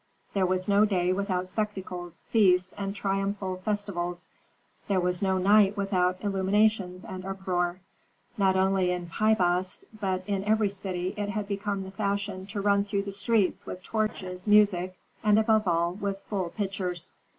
There was no day without spectacles, feasts, and triumphal festivals; there was no night without illuminations and uproar. Not only in Pi Bast but in every city it had become the fashion to run through the streets with torches, music, and, above all, with full pitchers.